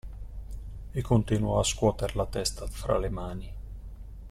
E continuò a scuoter la testa fra le mani.